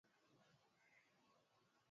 na alikuwa mke wa rais milande maninga